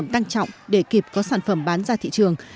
tăng trọng để kịp có sản phẩm bán ra thị trường